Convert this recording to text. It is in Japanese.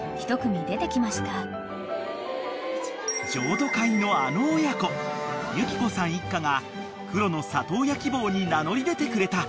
［譲渡会のあの親子ゆきこさん一家がクロの里親希望に名乗り出てくれた］